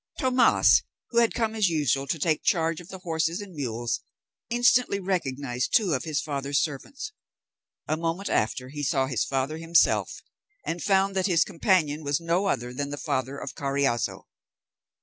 Tomas, who had come as usual to take charge of the horses and mules, instantly recognised two of his father's servants; a moment after he saw his father himself, and found that his companion was no other than the father of Carriazo.